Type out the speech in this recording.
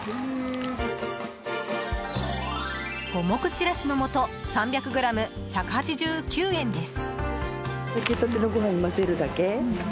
五目ちらしの素３００ｇ１８９円です。